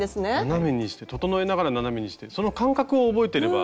斜めにして整えながら斜めにしてその感覚を覚えてれば。